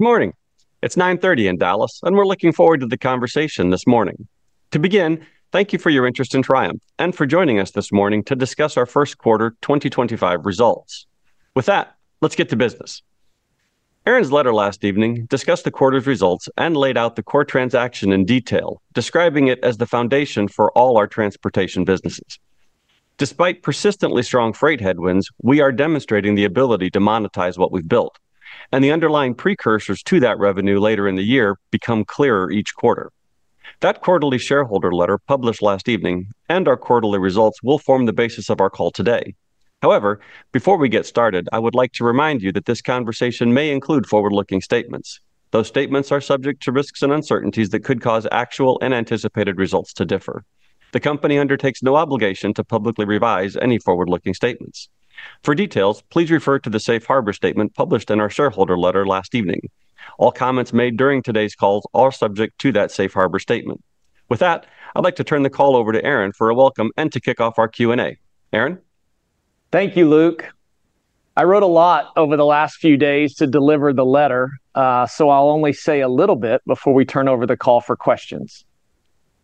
Good morning. It's 9:30 A.M. in Dallas, and we're looking forward to the conversation this morning. To begin, thank you for your interest in Triumph and for joining us this morning to discuss our first quarter 2025 results. With that, let's get to business. Aaron's letter last evening discussed the quarter's results and laid out the core transaction in detail, describing it as the foundation for all our transportation businesses. Despite persistently strong freight headwinds, we are demonstrating the ability to monetize what we've built, and the underlying precursors to that revenue later in the year become clearer each quarter. That quarterly shareholder letter published last evening and our quarterly results will form the basis of our call today. However, before we get started, I would like to remind you that this conversation may include forward-looking statements. Those statements are subject to risks and uncertainties that could cause actual and anticipated results to differ. The company undertakes no obligation to publicly revise any forward-looking statements. For details, please refer to the safe harbor statement published in our shareholder letter last evening. All comments made during today's calls are subject to that safe harbor statement. With that, I'd like to turn the call over to Aaron for a welcome and to kick off our Q&A. Aaron? Thank you, Luke. I wrote a lot over the last few days to deliver the letter, so I'll only say a little bit before we turn over the call for questions.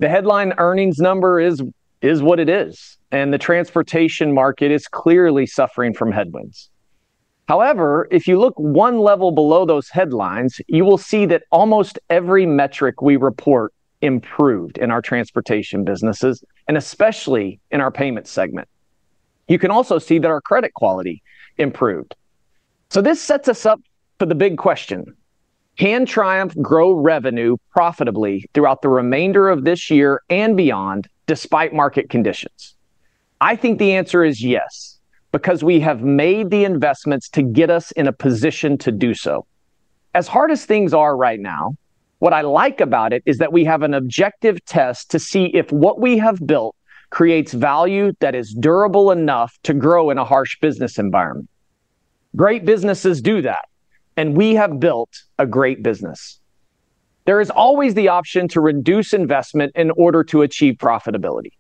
The headline earnings number is what it is, and the transportation market is clearly suffering from headwinds. However, if you look one level below those headlines, you will see that almost every metric we report improved in our transportation businesses, and especially in our payment segment. You can also see that our credit quality improved. This sets us up for the big question: Can Triumph grow revenue profitably throughout the remainder of this year and beyond despite market conditions? I think the answer is yes, because we have made the investments to get us in a position to do so. As hard as things are right now, what I like about it is that we have an objective test to see if what we have built creates value that is durable enough to grow in a harsh business environment. Great businesses do that, and we have built a great business. There is always the option to reduce investment in order to achieve profitability.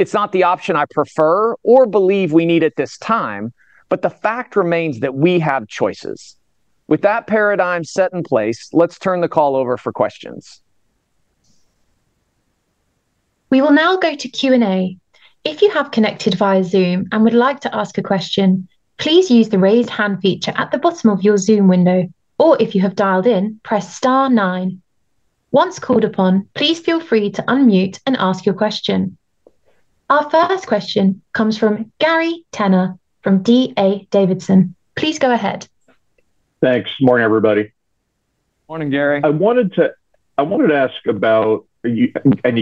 It's not the option I prefer or believe we need at this time, but the fact remains that we have choices. With that paradigm set in place, let's turn the call over for questions. We will now go to Q&A. If you have connected via Zoom and would like to ask a question, please use the raise hand feature at the bottom of your Zoom window, or if you have dialed in, press star nine. Once called upon, please feel free to unmute and ask your question. Our first question comes from Gary Tenner from D.A. Davidson. Please go ahead. Thanks. Morning, everybody. Morning, Gary. I wanted to ask about, and you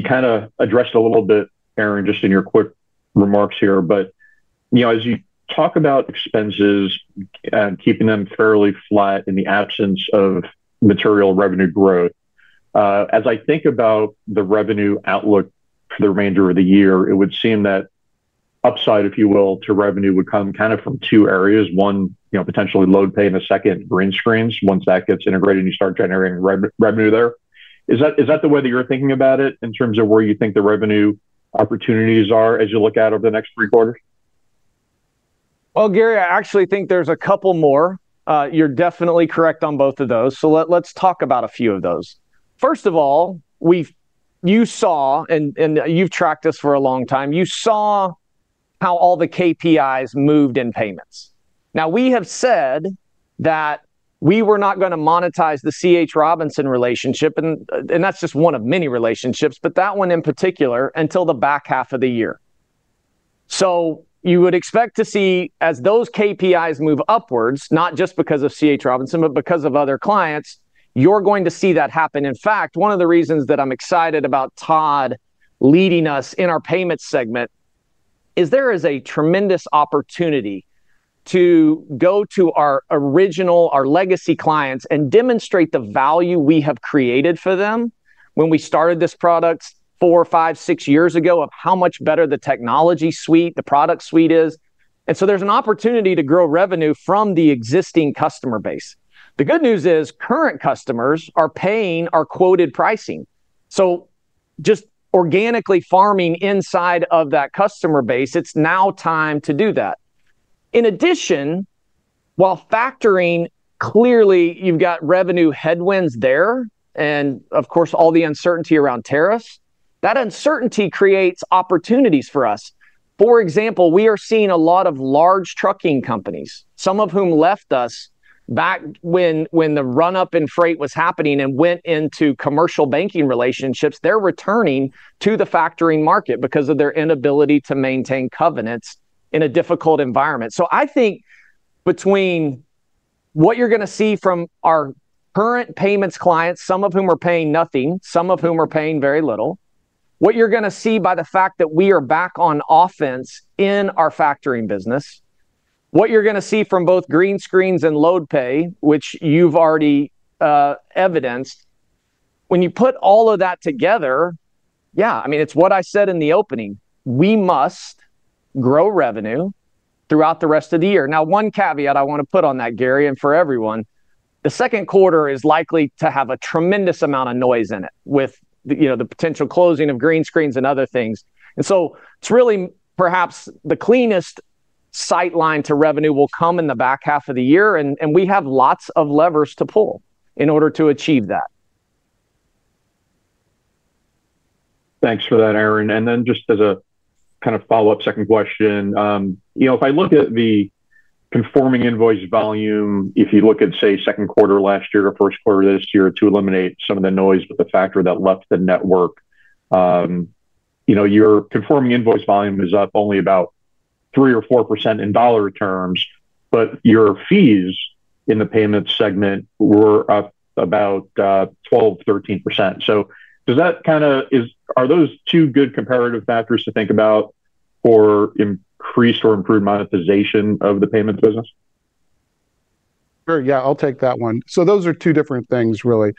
kind of addressed a little bit, Aaron, just in your quick remarks here, but as you talk about expenses and keeping them fairly flat in the absence of material revenue growth, as I think about the revenue outlook for the remainder of the year, it would seem that upside, if you will, to revenue would come kind of from two areas. One, potentially LoadPay; the second, Greenscreens. Once that gets integrated and you start generating revenue there. Is that the way that you're thinking about it in terms of where you think the revenue opportunities are as you look out over the next three quarters? Gary, I actually think there's a couple more. You're definitely correct on both of those. Let's talk about a few of those. First of all, you saw, and you've tracked this for a long time, you saw how all the KPIs moved in payments. Now, we have said that we were not going to monetize the C.H. Robinson relationship, and that's just one of many relationships, but that one in particular until the back half of the year. You would expect to see, as those KPIs move upwards, not just because of C.H. Robinson, but because of other clients, you're going to see that happen. In fact, one of the reasons that I'm excited about Todd leading us in our payment segment is there is a tremendous opportunity to go to our original, our legacy clients and demonstrate the value we have created for them when we started this product four, five, six years ago of how much better the technology suite, the product suite is. There is an opportunity to grow revenue from the existing customer base. The good news is current customers are paying our quoted pricing. Just organically farming inside of that customer base, it's now time to do that. In addition, while factoring clearly, you've got revenue headwinds there, and of course, all the uncertainty around tariffs, that uncertainty creates opportunities for us. For example, we are seeing a lot of large trucking companies, some of whom left us back when the run-up in freight was happening and went into commercial banking relationships. They are returning to the factoring market because of their inability to maintain covenants in a difficult environment. I think between what you are going to see from our current payments clients, some of whom are paying nothing, some of whom are paying very little, what you are going to see by the fact that we are back on offense in our factoring business, what you are going to see from both Greenscreens and LoadPay, which you have already evidenced, when you put all of that together, yeah, I mean, it is what I said in the opening. We must grow revenue throughout the rest of the year. Now, one caveat I want to put on that, Gary, and for everyone, the second quarter is likely to have a tremendous amount of noise in it with the potential closing of Greenscreens and other things. It is really perhaps the cleanest sightline to revenue will come in the back half of the year, and we have lots of levers to pull in order to achieve that. Thanks for that, Aaron. Just as a kind of follow-up second question, if I look at the conforming invoice volume, if you look at, say, second quarter last year or first quarter this year to eliminate some of the noise with the factor that left the network, your conforming invoice volume is up only about 3-4% in dollar terms, but your fees in the payments segment were up about 12-13%. Does that kind of, are those two good comparative factors to think about for increased or improved monetization of the payments business? Sure. Yeah, I'll take that one. Those are two different things, really.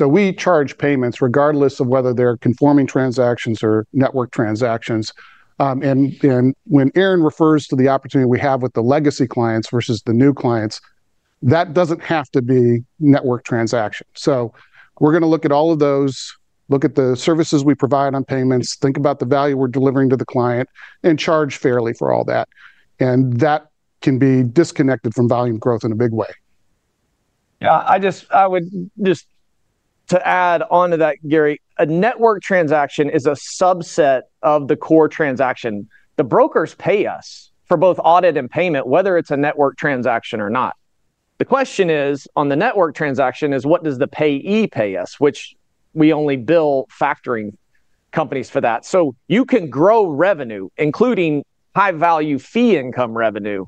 We charge payments regardless of whether they're conforming transactions or network transactions. When Aaron refers to the opportunity we have with the legacy clients versus the new clients, that doesn't have to be network transactions. We are going to look at all of those, look at the services we provide on payments, think about the value we're delivering to the client, and charge fairly for all that. That can be disconnected from volume growth in a big way. Yeah, I would just add on to that, Gary, a network transaction is a subset of the core transaction. The brokers pay us for both audit and payment, whether it's a network transaction or not. The question is, on the network transaction, what does the payee pay us, which we only bill factoring companies for that? You can grow revenue, including high-value fee income revenue,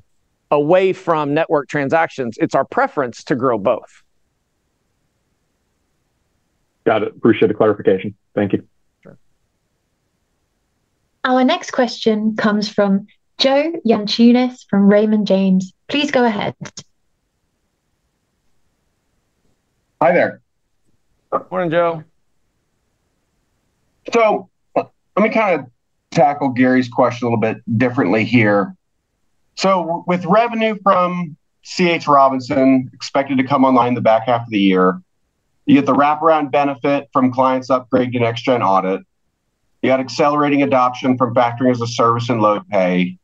away from network transactions. It's our preference to grow both. Got it. Appreciate the clarification. Thank you. Our next question comes from Joe Yanchunis from Raymond James. Please go ahead. Hi there. Morning, Joe. Let me kind of tackle Gary's question a little bit differently here. With revenue from C.H. Robinson expected to come online in the back half of the year, you get the wraparound benefit from clients upgrading in Exchange and Audit. You got accelerating adoption from Factoring as a Service and LoadPay.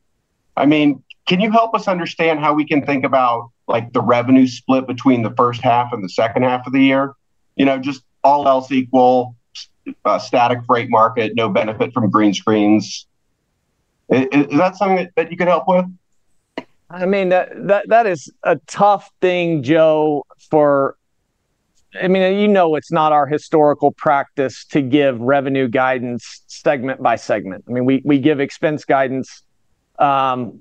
I mean, can you help us understand how we can think about the revenue split between the first half and the second half of the year? Just all else equal, static freight market, no benefit from Greenscreens. Is that something that you could help with? I mean, that is a tough thing, Joe, for, I mean, you know it's not our historical practice to give revenue guidance segment by segment. I mean, we give expense guidance, but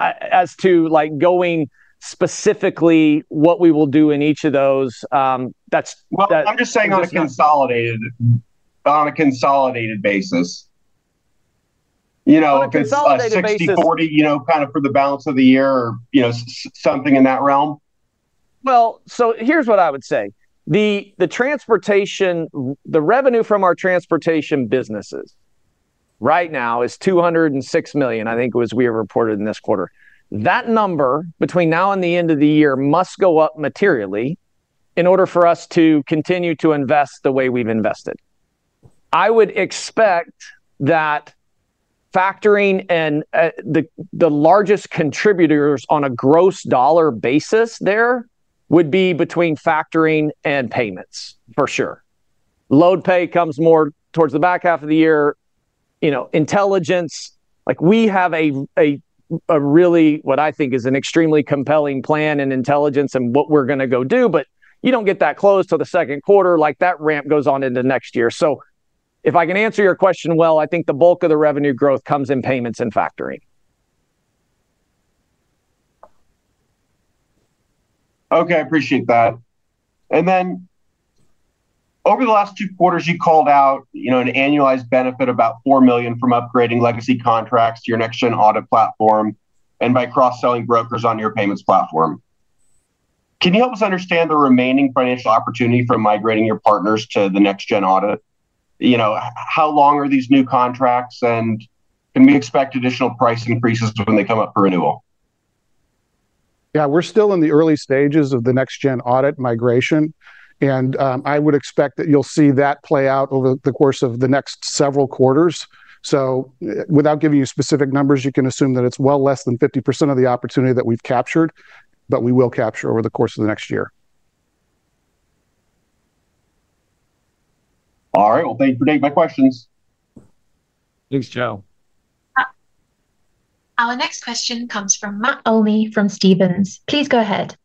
as to going specifically what we will do in each of those, that's. I'm just saying on a consolidated basis. You know, if it's about 60/40, you know, kind of for the balance of the year, something in that realm? Here's what I would say. The revenue from our transportation businesses right now is $206 million, I think it was we reported in this quarter. That number between now and the end of the year must go up materially in order for us to continue to invest the way we've invested. I would expect that factoring and the largest contributors on a gross dollar basis there would be between factoring and payments, for sure. LoadPay comes more towards the back half of the year. Intelligence, like we have a really, what I think is an extremely compelling plan in intelligence and what we're going to go do, but you don't get that close to the second quarter like that ramp goes on into next year. If I can answer your question well, I think the bulk of the revenue growth comes in payments and factoring. Okay, I appreciate that. Over the last two quarters, you called out an annualized benefit of about $4 million from upgrading legacy contracts to your next-gen audit platform and by cross-selling brokers on your payments platform. Can you help us understand the remaining financial opportunity from migrating your partners to the next-gen audit? How long are these new contracts, and can we expect additional price increases when they come up for renewal? Yeah, we're still in the early stages of the next-gen audit migration, and I would expect that you'll see that play out over the course of the next several quarters. Without giving you specific numbers, you can assume that it's well less than 50% of the opportunity that we've captured, but we will capture over the course of the next year. All right, well, thank you for taking my questions. Thanks, Joe. Our next question comes from Matt Olney from Stephens. Please go ahead.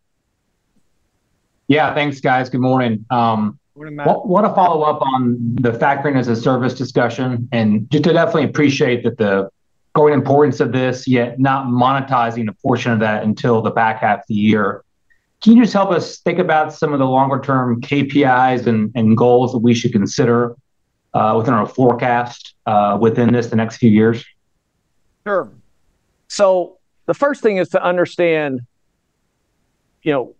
Yeah, thanks, guys. Good morning. Morning, Matt. What a follow-up on the Factoring as a Service discussion. And just to definitely appreciate the growing importance of this, yet not monetizing a portion of that until the back half of the year. Can you just help us think about some of the longer-term KPIs and goals that we should consider within our forecast within this the next few years? Sure. The first thing is to understand,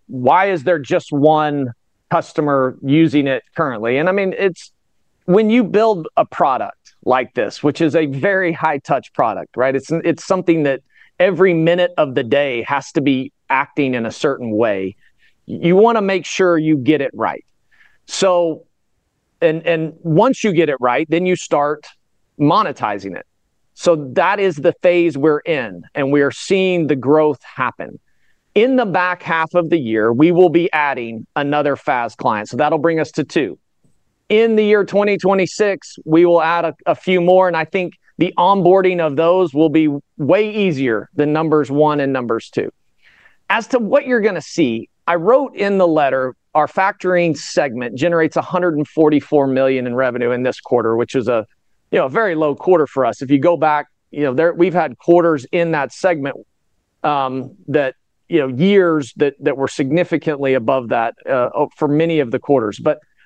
why is there just one customer using it currently? I mean, when you build a product like this, which is a very high-touch product, right? It's something that every minute of the day has to be acting in a certain way. You want to make sure you get it right. Once you get it right, then you start monetizing it. That is the phase we're in, and we are seeing the growth happen. In the back half of the year, we will be adding another FaaS client. That will bring us to two. In the year 2026, we will add a few more, and I think the onboarding of those will be way easier than numbers one and two. As to what you're going to see, I wrote in the letter, our factoring segment generates $144 million in revenue in this quarter, which is a very low quarter for us. If you go back, we've had quarters in that segment that years that were significantly above that for many of the quarters.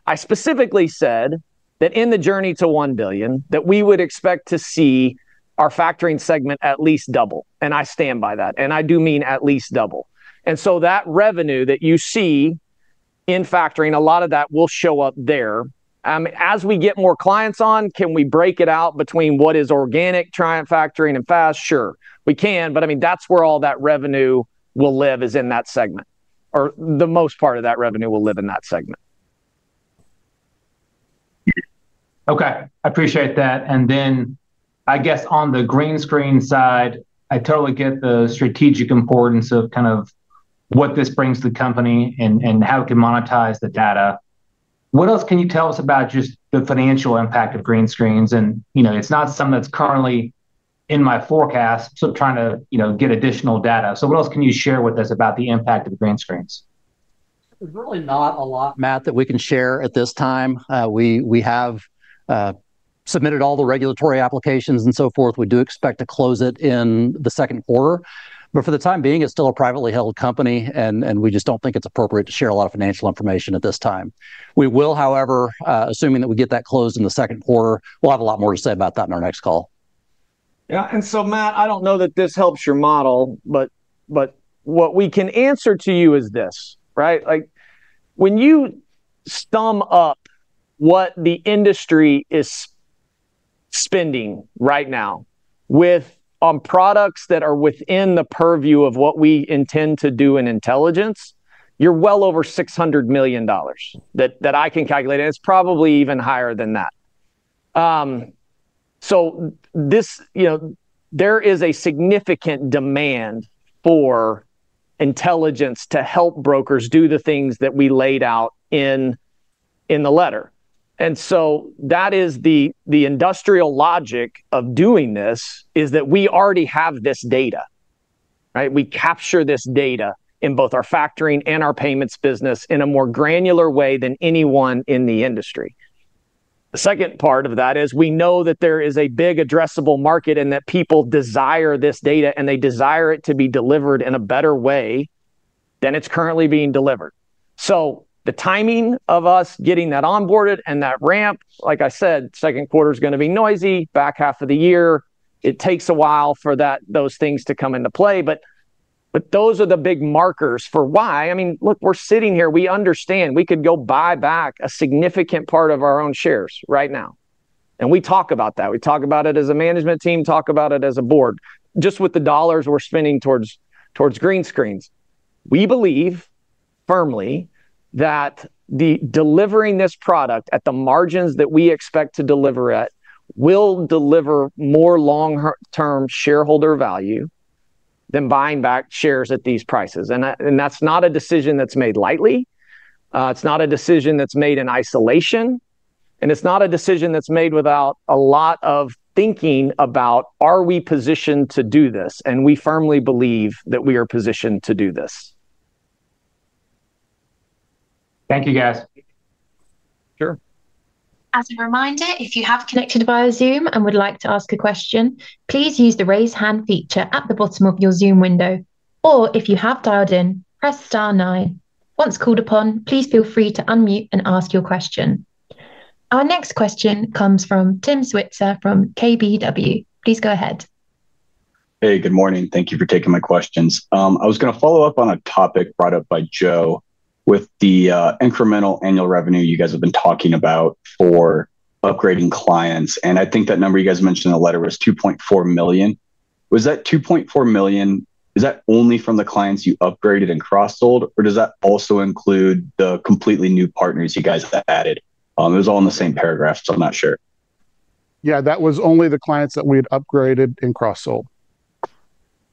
I specifically said that in the journey to $1 billion, that we would expect to see our factoring segment at least double. I stand by that. I do mean at least double. That revenue that you see in factoring, a lot of that will show up there. As we get more clients on, can we break it out between what is organic Triumph factoring and FaaS? Sure. We can, but I mean, that's where all that revenue will live is in that segment. For the most part, that revenue will live in that segment. Okay. I appreciate that. I guess on the Greenscreens side, I totally get the strategic importance of kind of what this brings to the company and how it can monetize the data. What else can you tell us about just the financial impact of Greenscreens? It's not something that's currently in my forecast, so I'm trying to get additional data. What else can you share with us about the impact of Greenscreens? There's really not a lot, Matt, that we can share at this time. We have submitted all the regulatory applications and so forth. We do expect to close it in the second quarter. For the time being, it's still a privately held company, and we just don't think it's appropriate to share a lot of financial information at this time. We will, however, assuming that we get that closed in the second quarter, have a lot more to say about that in our next call. Yeah. Matt, I don't know that this helps your model, but what we can answer to you is this, right? When you stump up what the industry is spending right now with products that are within the purview of what we intend to do in intelligence, you're well over $600 million that I can calculate. It is probably even higher than that. There is a significant demand for intelligence to help brokers do the things that we laid out in the letter. That is the industrial logic of doing this, that we already have this data, right? We capture this data in both our factoring and our payments business in a more granular way than anyone in the industry. The second part of that is we know that there is a big addressable market and that people desire this data and they desire it to be delivered in a better way than it is currently being delivered. The timing of us getting that onboarded and that ramp, like I said, second quarter is going to be noisy, back half of the year. It takes a while for those things to come into play. Those are the big markers for why. I mean, look, we're sitting here. We understand we could go buy back a significant part of our own shares right now. We talk about that. We talk about it as a management team, talk about it as a board. Just with the dollars we're spending towards Greenscreens, we believe firmly that delivering this product at the margins that we expect to deliver at will deliver more long-term shareholder value than buying back shares at these prices. That's not a decision that's made lightly. It's not a decision that's made in isolation. It's not a decision that's made without a lot of thinking about, are we positioned to do this? We firmly believe that we are positioned to do this. Thank you, guys. Sure. As a reminder, if you have connected via Zoom and would like to ask a question, please use the raise hand feature at the bottom of your Zoom window. If you have dialed in, press star nine. Once called upon, please feel free to unmute and ask your question. Our next question comes from Tim Switzer from KBW. Please go ahead. Hey, good morning. Thank you for taking my questions. I was going to follow up on a topic brought up by Joe with the incremental annual revenue you guys have been talking about for upgrading clients. I think that number you guys mentioned in the letter was $2.4 million. Was that $2.4 million, is that only from the clients you upgraded and cross-sold, or does that also include the completely new partners you guys added? It was all in the same paragraph, so I'm not sure. Yeah, that was only the clients that we had upgraded and cross-sold.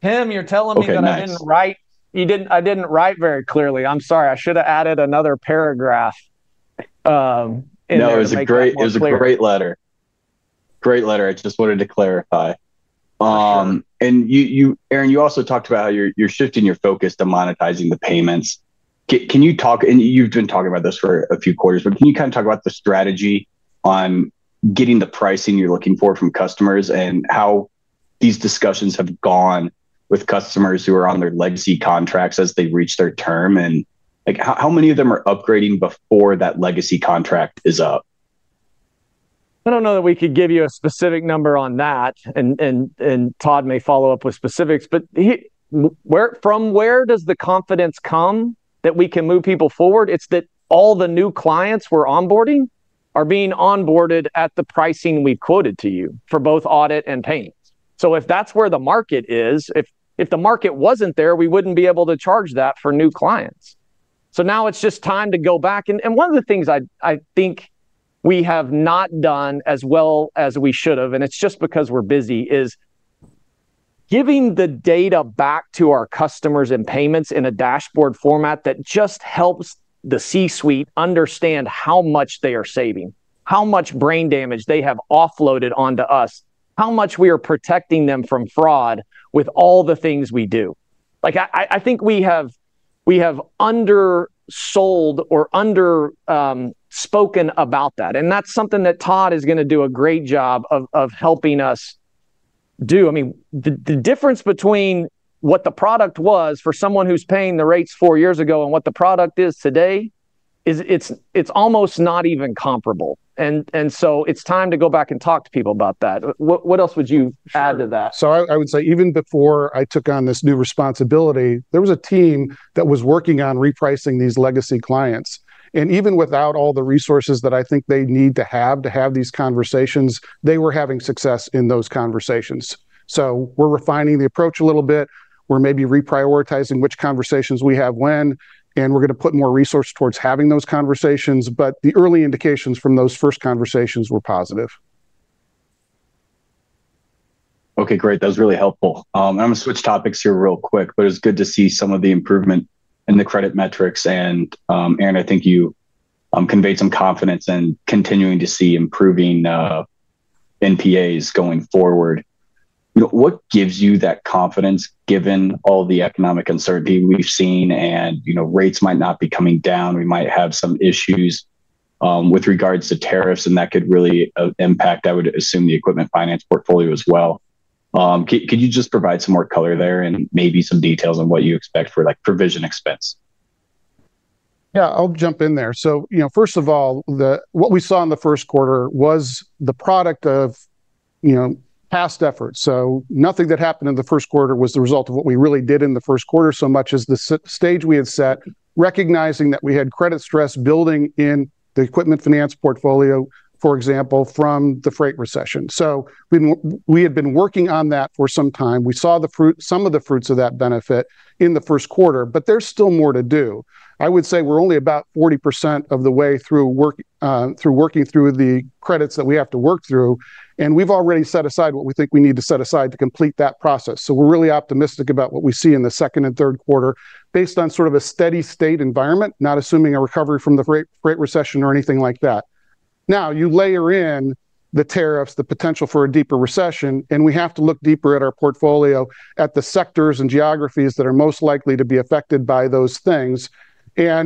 Tim, you're telling me that I didn't write, I didn't write very clearly. I'm sorry. I should have added another paragraph in the next quarter. No, it was a great letter. Great letter. I just wanted to clarify. Aaron, you also talked about how you're shifting your focus to monetizing the payments. Can you talk, and you've been talking about this for a few quarters, but can you kind of talk about the strategy on getting the pricing you're looking for from customers and how these discussions have gone with customers who are on their legacy contracts as they reach their term? How many of them are upgrading before that legacy contract is up? I don't know that we could give you a specific number on that, and Todd may follow up with specifics, but from where does the confidence come that we can move people forward? It's that all the new clients we're onboarding are being onboarded at the pricing we've quoted to you for both audit and payments. If that's where the market is, if the market wasn't there, we wouldn't be able to charge that for new clients. Now it's just time to go back. One of the things I think we have not done as well as we should have, and it's just because we're busy, is giving the data back to our customers and payments in a dashboard format that just helps the C-suite understand how much they are saving, how much brain damage they have offloaded onto us, how much we are protecting them from fraud with all the things we do. I think we have undersold or underspoken about that. That's something that Todd is going to do a great job of helping us do. I mean, the difference between what the product was for someone who's paying the rates four years ago and what the product is today, it's almost not even comparable. It's time to go back and talk to people about that. What else would you add to that? I would say even before I took on this new responsibility, there was a team that was working on repricing these legacy clients. Even without all the resources that I think they need to have to have these conversations, they were having success in those conversations. We are refining the approach a little bit. We are maybe reprioritizing which conversations we have when, and we are going to put more resources towards having those conversations. The early indications from those first conversations were positive. Okay, great. That was really helpful. I'm going to switch topics here real quick, but it's good to see some of the improvement in the credit metrics. And Aaron, I think you conveyed some confidence in continuing to see improving NPAs going forward. What gives you that confidence given all the economic uncertainty we've seen? Rates might not be coming down. We might have some issues with regards to tariffs, and that could really impact, I would assume, the equipment finance portfolio as well. Could you just provide some more color there and maybe some details on what you expect for provision expense? Yeah, I'll jump in there. First of all, what we saw in the first quarter was the product of past efforts. Nothing that happened in the first quarter was the result of what we really did in the first quarter so much as the stage we had set, recognizing that we had credit stress building in the equipment finance portfolio, for example, from the freight recession. We had been working on that for some time. We saw some of the fruits of that benefit in the first quarter, but there's still more to do. I would say we're only about 40% of the way through working through the credits that we have to work through, and we've already set aside what we think we need to set aside to complete that process. We are really optimistic about what we see in the second and third quarter based on sort of a steady state environment, not assuming a recovery from the freight recession or anything like that. Now, you layer in the tariffs, the potential for a deeper recession, and we have to look deeper at our portfolio at the sectors and geographies that are most likely to be affected by those things. I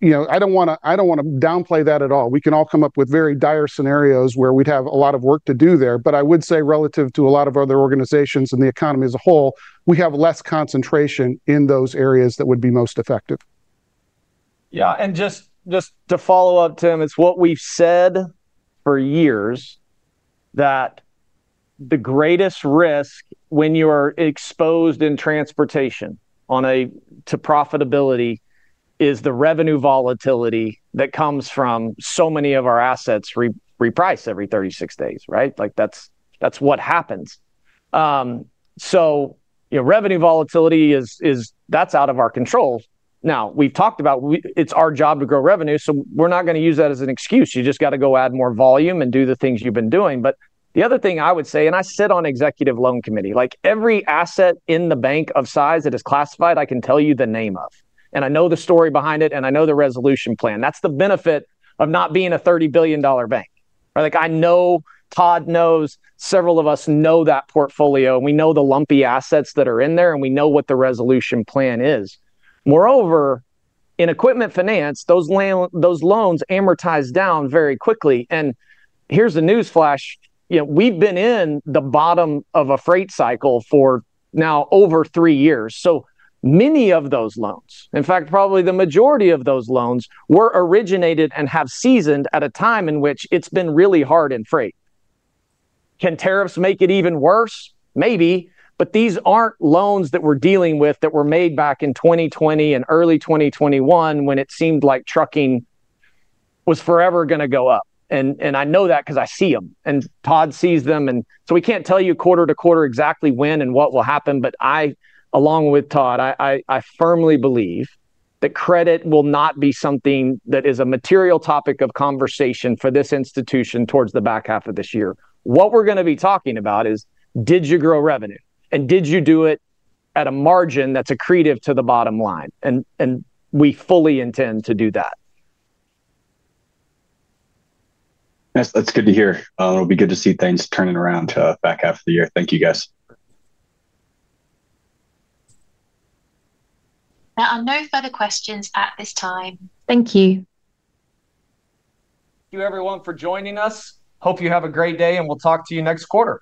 do not want to downplay that at all. We can all come up with very dire scenarios where we would have a lot of work to do there. I would say relative to a lot of other organizations and the economy as a whole, we have less concentration in those areas that would be most affected. Yeah. Just to follow up, Tim, it's what we've said for years that the greatest risk when you are exposed in transportation to profitability is the revenue volatility that comes from so many of our assets repriced every 36 days, right? That's what happens. Revenue volatility, that's out of our control. Now, we've talked about it's our job to grow revenue, so we're not going to use that as an excuse. You just got to go add more volume and do the things you've been doing. The other thing I would say, I sit on Executive Loan Committee, every asset in the bank of size that is classified, I can tell you the name of. I know the story behind it, and I know the resolution plan. That's the benefit of not being a $30 billion bank. I know Todd knows, several of us know that portfolio. We know the lumpy assets that are in there, and we know what the resolution plan is. Moreover, in equipment finance, those loans amortize down very quickly. Here is the news flash. We have been in the bottom of a freight cycle for now over three years. Many of those loans, in fact, probably the majority of those loans were originated and have seasoned at a time in which it has been really hard in freight. Can tariffs make it even worse? Maybe. These are not loans that we are dealing with that were made back in 2020 and early 2021 when it seemed like trucking was forever going to go up. I know that because I see them, and Todd sees them. We can't tell you quarter to quarter exactly when and what will happen, but I, along with Todd, I firmly believe that credit will not be something that is a material topic of conversation for this institution towards the back half of this year. What we're going to be talking about is, did you grow revenue? And did you do it at a margin that's accretive to the bottom line? We fully intend to do that. That's good to hear. It'll be good to see things turning around back half of the year. Thank you, guys. There are no further questions at this time. Thank you. Thank you, everyone, for joining us. Hope you have a great day, and we'll talk to you next quarter.